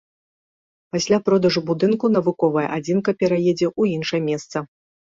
Пасля продажу будынку навуковая адзінка пераедзе ў іншае месца.